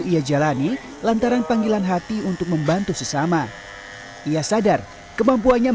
ia jalani lantaran panggilan hati untuk membantu sesama ia sadar kemampuannya